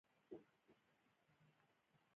څنګه چي په اورګاډي کي کښېناستم، کړکۍ ته مې وکتل.